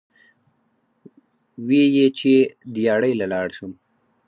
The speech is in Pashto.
وې ئې چې " دیاړۍ له لاړ شم ـ